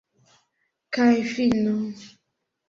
Kaj fino.